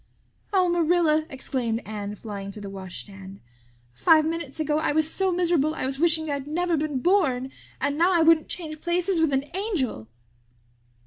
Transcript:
"Oh, Marilla," exclaimed Anne, flying to the washstand. "Five minutes ago I was so miserable I was wishing I'd never been born and now I wouldn't change places with an angel!"